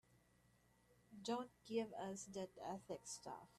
Don't give us that ethics stuff.